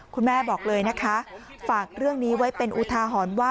คุณแม่บอกเลยนะคะฝากเรื่องนี้ไว้เป็นอุทาหรณ์ว่า